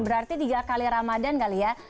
berarti tiga kali ramadhan kali ya